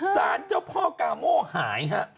สารเจ้าพ่อกาโม่หายฮะ